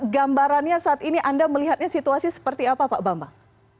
gambarannya saat ini anda melihatnya situasi seperti apa pak bambang